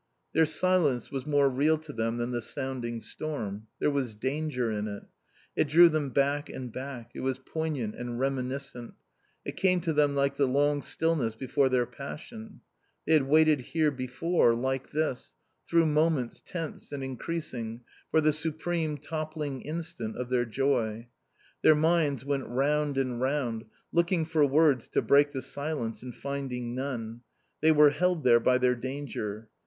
Their silence was more real to them than the sounding storm. There was danger in it. It drew them back and back. It was poignant and reminiscent. It came to them like the long stillness before their passion. They had waited here before, like this, through moments tense and increasing, for the supreme, toppling instant of their joy. Their minds went round and round, looking for words to break the silence and finding none. They were held there by their danger.